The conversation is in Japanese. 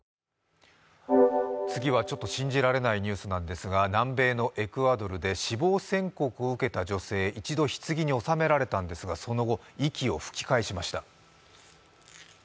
次はちょっと信じられないニュースなんですが南米のエクアドルで死亡宣告を受けた女性、一度、ひつぎに収められたんですがその後、息を吹き返しました。